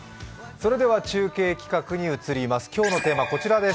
それでは中継企画に移ります。